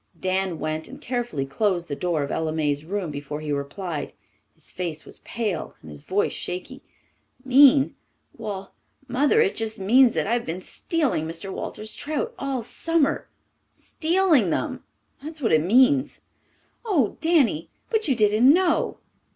Dan went and carefully closed the door of Ella May's room before he replied. His face was pale and his voice shaky. "Mean? Well, Mother, it just means that I've been stealing Mr. Walters's trout all summer stealing them. That's what it means." "Oh, Danny! But you didn't know."